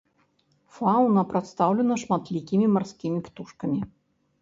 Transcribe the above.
Фаўна прадстаўлена шматлікімі марскімі птушкамі.